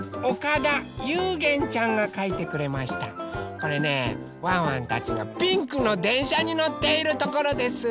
これねワンワンたちがピンクのでんしゃにのっているところです。